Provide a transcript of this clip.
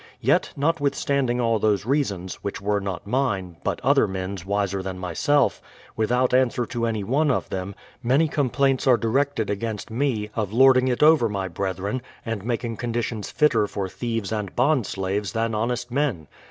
Yet, notwithstanding all those reasons, which were not mine, but other men's wiser than myself, without answer to any one of them, many complaints are directed against me, of THE PLYMOUTH SETTLEINIENT 43 lording it over my brethren, and making conditions fitter for thieves and bondslaves than honest men.